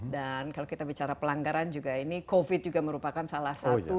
dan kalau kita bicara pelanggaran juga ini covid juga merupakan salah satu yang